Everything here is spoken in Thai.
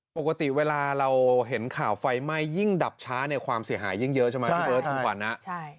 ปกติเวลาเราเห็นข่าวไฟไหม้ยิ่งดับช้าเนี่ยความเสียหายิ่งเยอะใช่มั้ยอเจมส์ใช่ไหมอเจมส์ใช่